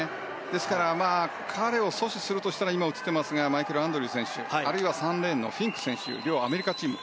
ですから、彼を阻止するとしたらマイケル・アンドリュー選手あるいは３レーンのフィンク選手両アメリカチーム。